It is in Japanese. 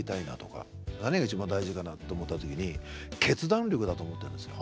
何が一番大事かなと思った時に決断力だと思ったんですよ。